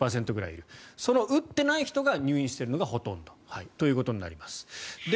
その打っていない人が入院しているのがほとんどということになります。